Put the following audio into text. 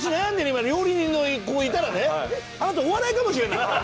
今料理人の子いたらねあなたお笑いかもしれない。